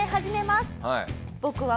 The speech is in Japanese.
僕は。